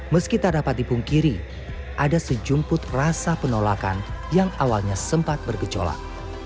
meski tak dapat dipungkiri ada sejumput rasa penolakan yang awalnya sempat bergejolak